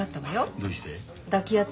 どうして？